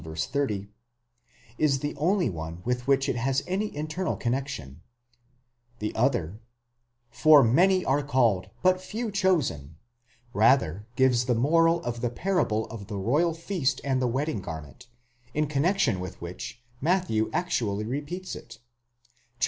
30), is the only one with which it has any internal connexion ; the other, for many are called, but few chosen, rather gives the moral of the parable of the royal feast and the wedding garment, in connexion with which Matthew actually repeats it (xxii.